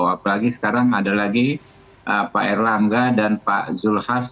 apalagi sekarang ada lagi pak erlangga dan pak zulhas